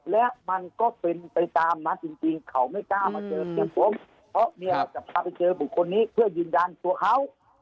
และมันก็เป็นไปตามนั้นจริงเขาไม่กล้ามาเจอเพียงผมเพราะเมียจะพาไปเจอบุคคลนี้เพื่อยืนยันตัวเขา